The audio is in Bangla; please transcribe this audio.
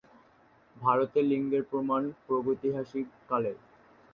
ভারতে লিঙ্গের প্রমাণ প্রাগৈতিহাসিক কালের।